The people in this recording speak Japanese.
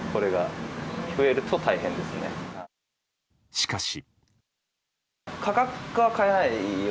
しかし。